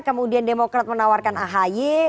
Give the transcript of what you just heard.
kemudian demokrat menawarkan ahye